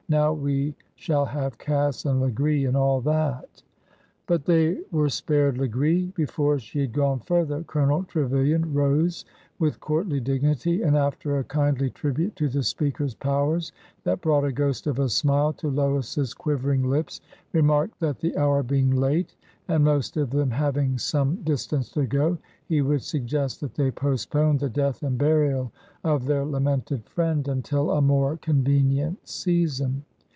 Now we shall have Cass and Legree and all that !'' But they were spared Legree. Before she had gone further. Colonel Trevilian rose with courtly dignity, and, after a kindly tribute to the speaker's powers that brought a ghost of a smile to Lois's quivering lips, remarked that, the hour being late, and most of them having some dis tance to go, he would suggest that they postpone the death and burial of their lamented friend until a more convenient season.